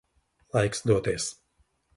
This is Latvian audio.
Laiks doties.